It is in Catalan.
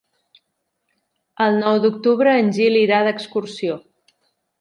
El nou d'octubre en Gil irà d'excursió.